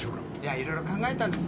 いろいろ考えたんです。